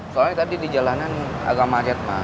soalnya tadi di jalanan agak macet pak